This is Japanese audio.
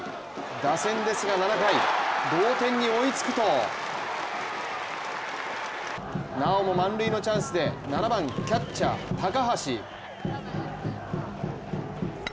打線は７回、同点に追いつくとなおも満塁のチャンスで７番キャッチャー・高橋。